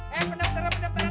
hei penap tenang penap tenang